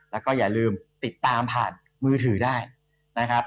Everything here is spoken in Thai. แล้วก็อย่าลืมติดตามผ่านมือถือได้นะครับ